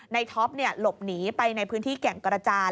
ท็อปหลบหนีไปในพื้นที่แก่งกระจาย